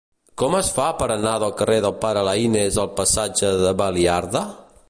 Com es fa per anar del carrer del Pare Laínez al passatge de Baliarda?